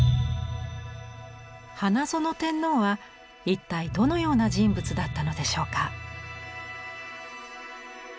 花園天皇は一体どのような人物だったのでしょうか。